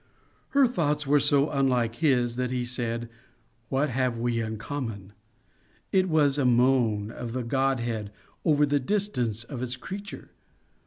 Her thoughts were so unlike his that he said, What have we in common! It was a moan of the God head over the distance of its creature.